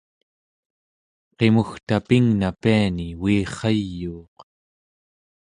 qimugta pingna piani uirrayuuq